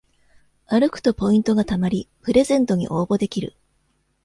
歩くとポイントがたまりプレゼントに応募できる